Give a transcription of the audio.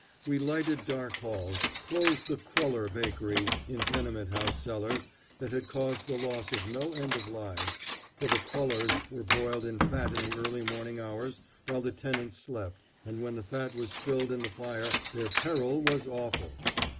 We lighted dark halls; closed the "cruller" bakeries in tenement house cellars that had caused the loss of no end of lives, for the crullers were boiled in fat in the early morning hours while the tenants slept, and when the fat was spilled in the fire their peril was awful.